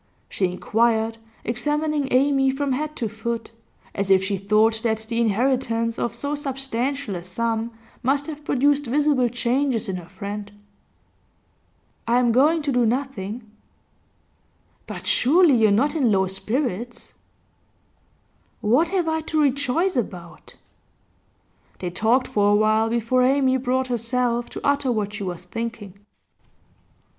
she inquired, examining Amy from head to foot, as if she thought that the inheritance of so substantial a sum must have produced visible changes in her friend. 'I am going to do nothing.' 'But surely you're not in low spirits?' 'What have I to rejoice about?' They talked for a while before Amy brought herself to utter what she was thinking.